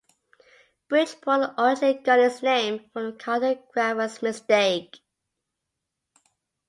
Bridgeport originally got its name from a cartographer's mistake.